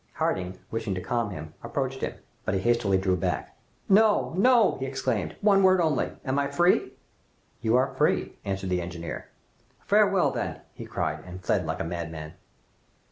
Harding wishing to calm him, approached him, but he hastily drew back. "No! no!" he exclaimed; "one word only am I free?" "You are free," answered the engineer. "Farewell, then!" he cried, and fled like a madman.